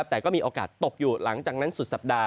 แต่ก็มีโอกาสมีตกอยู่อาจจะลดลงหลังจากนั้นสุดสัปดาห์